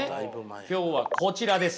今日はこちらですよ。